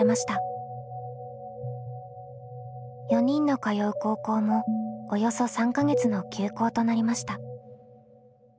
４人の通う高校もおよそ３か月の休校となりました。